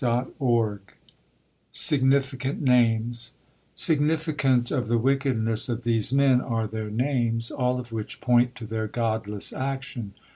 SIGNIFICANT NAMES Significant of the wickedness of these men are their names, all of which point to their godless action.